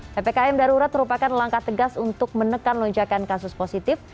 ppkm darurat merupakan langkah tegas untuk menekan lonjakan kasus positif